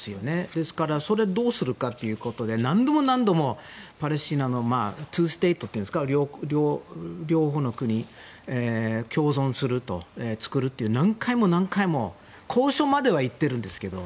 ですから、それをどうするかということで何度も何度もパレスチナの２ステートというんですか両方の国が共存する、作ると何回も何回も交渉まではいってるんですけど